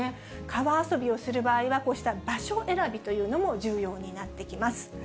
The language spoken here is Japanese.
川遊びをする場合は、こうした場所選びというのも重要になってきます。